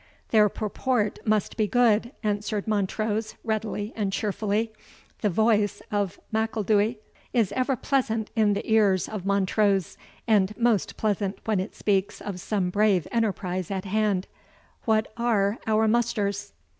"Their purport must be good," answered Montrose, readily and cheerfully; "the voice of M'Ilduy is ever pleasant in the ears of Montrose, and most pleasant when it speaks of some brave enterprise at hand What are our musters?"